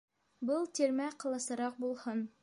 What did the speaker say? — Был тирмә ҡаласараҡ булһын.